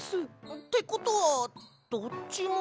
ってことはどっちも。